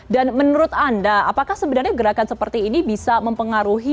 dan menurut anda apakah sebenarnya gerakan seperti ini bisa menyebabkan gerakan yang lebih banyak